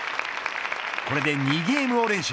これで２ゲームを連取。